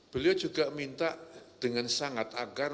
beliau juga minta dengan sangat agar